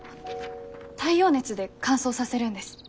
太陽熱で乾燥させるんです。